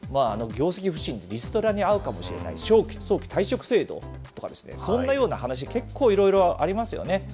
業績不振のリストに遭うかもしれない、早期退職制度とか、そんなような話、結構いろいろありますよね。